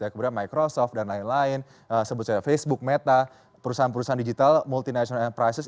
kemudian microsoft dan lain lain sebut saja facebook meta perusahaan perusahaan digital multinational ent prices